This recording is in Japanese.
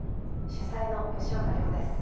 主宰の吉岡里帆です。